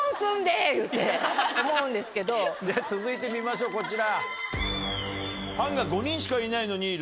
じゃ続いて見ましょうこちら。